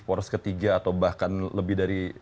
poros ketiga atau bahkan lebih dari